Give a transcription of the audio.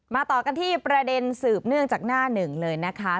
ต่อกันที่ประเด็นสืบเนื่องจากหน้าหนึ่งเลยนะคะ